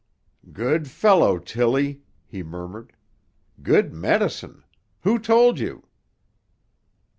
"Good fellow, Tilly," he murmured. "Good medicine. Who told you?"